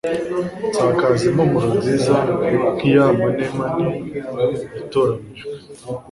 nsakaza impumuro nziza nk'iya manemane yatoranijwe